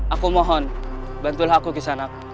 aku mohon bantulah aku kisanat